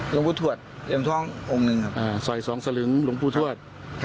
หลวงพูดถวดเรียบท้ององค์หนึ่งครับอ่าสอยสองสลึงหลวงพูดถวดครับ